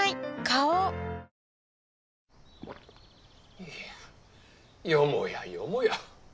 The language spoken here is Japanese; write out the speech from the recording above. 花王よもやよもや。